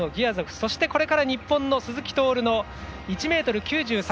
そして、これから日本の鈴木徹の１ｍ９３。